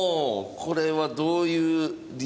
これはどういう理由ですか？